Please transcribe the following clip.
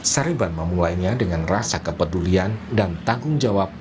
sariban memulainya dengan rasa kepedulian dan tanggung jawab